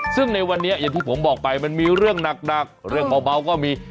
ซึ่งในวันนี้อย่างที่ผมบอกไปมันมีเรื่องหนักเรื่องเบาก็มี